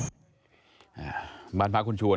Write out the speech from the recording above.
กรรมบ้านพระคุณชวน